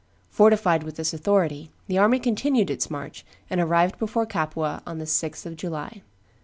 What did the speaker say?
Fortified with this authority, the army continued its march, and arrived before Capua on the 6th of July.